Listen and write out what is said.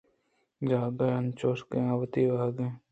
جاگہے انچوش کہ آ وتی واہگ